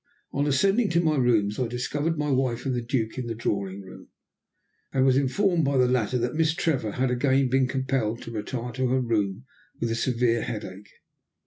On ascending to my rooms I discovered my wife and the Duke in the drawing room, and was informed by the latter that Miss Trevor had again been compelled to retire to her room with a severe headache.